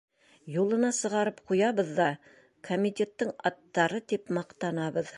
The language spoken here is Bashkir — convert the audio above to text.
Юлына сығарып ҡуябыҙ ҙа комитеттың аттары, тип маҡтанабыҙ.